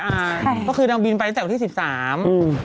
อ่าค่ะก็คือนางบินไปตั้งแต่วันที่สิบสามอืม